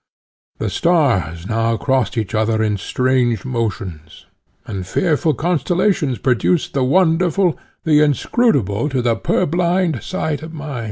"The stars now crossed each other in strange motions, and fearful constellations produced the wonderful, the inscrutable to the purblind sight of man.